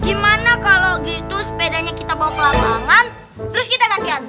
gimana kalo gitu sepedanya kita bawa ke lambangan terus kita gangkian